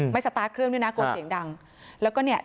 ไม่สตาร์ทเครื่องด้วยนะกูตเสียงดัง